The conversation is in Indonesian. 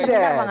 benar bang alin